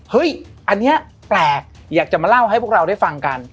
อันนี้แปลกอยากจะมาเล่าให้พวกเราได้ฟังกัน